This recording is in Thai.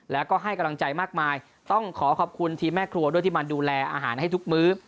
แล้วก็ให้กำลังใจมากมายต้องขอขอบคุณทีมแม่ครัวด้วยที่มาดูแลอาหารให้ทุกมื้อ